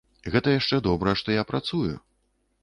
Гэта яшчэ добра, што я працую.